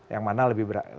yang mana lebih berat